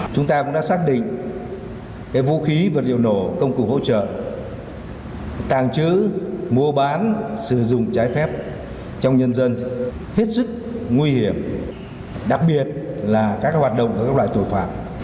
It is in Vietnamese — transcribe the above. chúng ta cũng đã xác định vũ khí vật liệu nổ công cụ hỗ trợ tàng trữ mua bán sử dụng trái phép trong nhân dân hết sức nguy hiểm đặc biệt là các hoạt động của các loại tội phạm